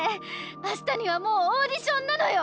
あしたにはもうオーディションなのよ！